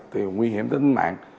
thì nguy hiểm đến mạng